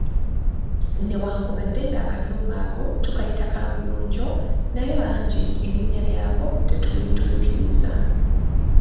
Newankubadde nga akayumba ako tukayita kaabuyonjo, naye bangi erinnya lyako tetulituukiriza.